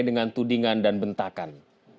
dengan tudingan dan bentakan